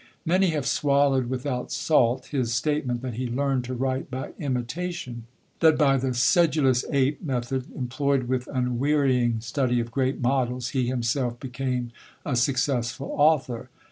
Many have swallowed without salt his statement that he learned to write by imitation; that by the "sedulous ape" method, employed with unwearying study of great models, he himself became a successful author.